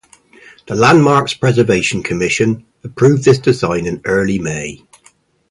The Landmarks Preservation Commission approved this design in early May.